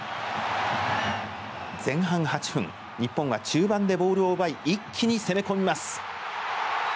前半８分日本は中盤でボールを奪い一気に攻め込みます。